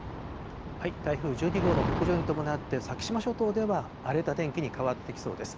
台風１２号の北上に伴って、先島諸島では荒れた天気に変わってきそうです。